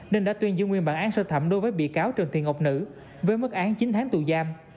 nên đã tuyên giữ nguyên bản án sơ thẩm đối với bị cáo trần tiền ngọc nữ với mức án chín tháng tù giam